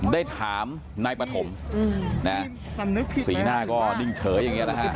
ได้ถามนายปฐมสีหน้าก็นิ่งเฉยอย่างนี้นะฮะ